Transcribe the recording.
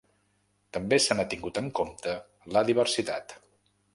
També se n’ha tingut en compte la diversitat.